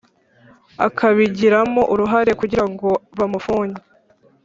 akabigiramo uruhare kugirango bamufunge,